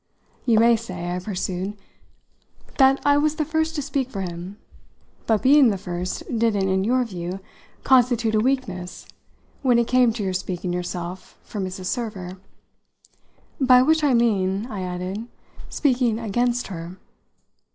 You may say," I pursued, "that I was the first to speak for him; but being the first didn't, in your view, constitute a weakness when it came to your speaking yourself for Mrs. Server. By which I mean," I added, "speaking against her."